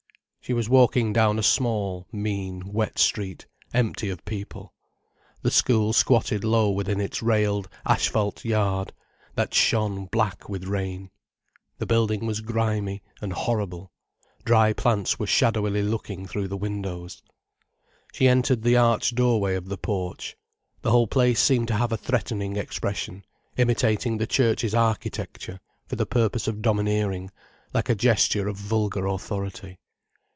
She was walking down a small, mean, wet street, empty of people. The school squatted low within its railed, asphalt yard, that shone black with rain. The building was grimy, and horrible, dry plants were shadowily looking through the windows. She entered the arched doorway of the porch. The whole place seemed to have a threatening expression, imitating the church's architecture, for the purpose of domineering, like a gesture of vulgar authority.